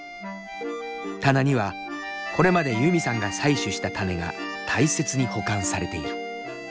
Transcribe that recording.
棚にはこれまでユミさんが採取した種が大切に保管されている。